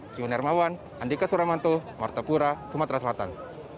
sion hermawan andika suramanto martapura sumatera selatan